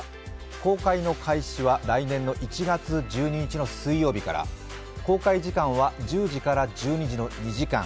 公開の開始は来年１月１２日の水曜日から公開時間は１０時から１２時の２時間。